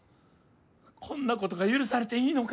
こんなことが許されていいのか？